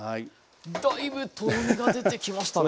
だいぶとろみが出てきましたね。